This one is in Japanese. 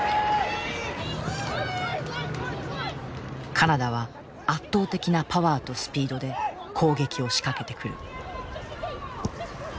カナダは圧倒的なパワーとスピードで攻撃を仕掛けてくる。